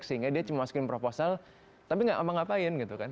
sehingga dia cuma masukin proposal tapi gak ngomong ngapain gitu kan